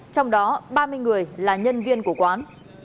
trong đó ba mươi người là nhân viên của quán